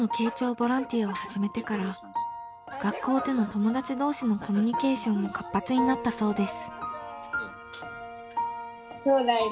ボランティアを始めてから学校での友達同士のコミュニケーションも活発になったそうです。